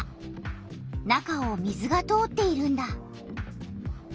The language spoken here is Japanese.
中を水が通っているんだ。